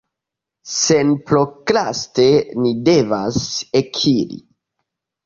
Senprokraste ni devas ekiri.